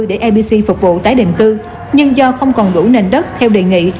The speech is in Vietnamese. để lbc phục vụ tái định cư nhưng do không còn đủ nền đất theo đề nghị